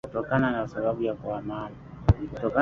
kutokana na sababu ya kuhama hama